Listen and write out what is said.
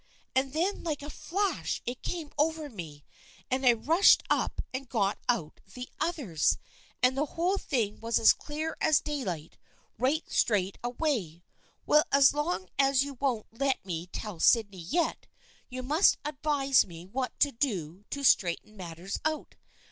And then like a flash it came over me, and I rushed up and got out the others, 228 THE FRIENDSHIP OF ANNE and the whole thing was as clear as daylight right straight away. Well, as long as you won't let me tell Sydney yet, you must advise me what else to do to straighten matters out.